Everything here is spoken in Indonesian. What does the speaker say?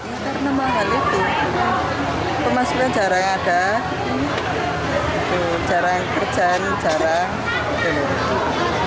karena mahal itu kemasinan jarang ada jarang kerjaan jarang penurunan